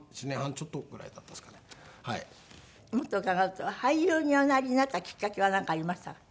もっと伺うと俳優におなりになったきっかけはなんかありました？